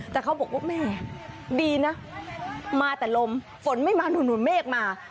แต่เขาบอกว่าแม่ดีนะมาแต่ลมฝนไม่มาหนุนเมฆมา